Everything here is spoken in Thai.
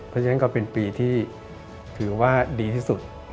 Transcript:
เพราะฉะนั้นก็เป็นปีที่ถือว่าดีที่สุด